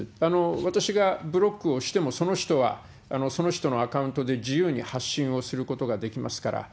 私がブロックをしても、その人はその人のアカウントで自由に発信をすることができますから。